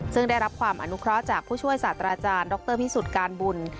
ซึ่งได้รับความอนุเคราะห์จากผู้ช่วยศาสตราจารย์ดรพิสุทธิ์การบุญ